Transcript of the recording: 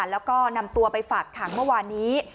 แล้วก็นำตัวไปฝากขังเมื่อวานนี้